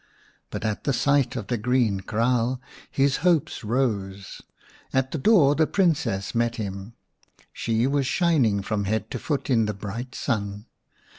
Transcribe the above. But at the sight of the green kraal his hopes rose. At the door the Princess met him. She was shining from head to foot in the bright sun.